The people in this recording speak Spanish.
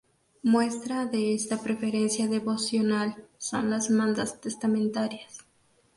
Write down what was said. Muestra de esta preferencia devocional, son las mandas testamentarias.